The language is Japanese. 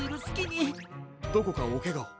どこかおケガを？